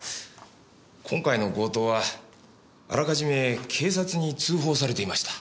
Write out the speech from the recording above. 今回の強盗はあらかじめ警察に通報されていました。